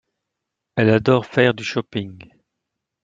Elle adore faire du shopping.